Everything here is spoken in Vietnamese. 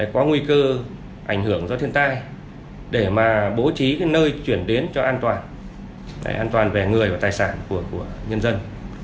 có nguy cơ ảnh hưởng do thiên tai để mà bố trí nơi chuyển đến cho an toàn an toàn về người và tài sản của nhân dân